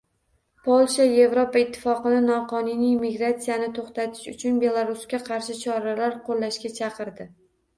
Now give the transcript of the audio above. Polsha Yevropa ittifoqini noqonuniy migratsiyani to‘xtatish uchun Belarusga qarshi choralar qo‘llashga chaqirdi